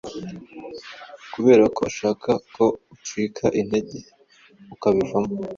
kubera ko ashaka ko ucika intege ukabivamo